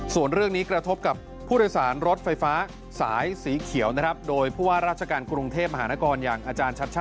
ส่วนเรื่องนี้กระทบกับผู้โดยสารรถไฟฟ้าสายสีเขียวนะครับ